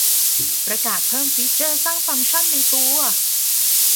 ประกาศเพิ่มฟีเจอร์สร้างฟังก์ชั่นในตัว